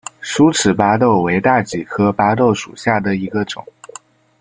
疏齿巴豆为大戟科巴豆属下的一个种。